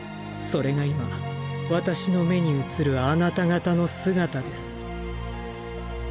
それが今私の目に映るあなた方の姿です。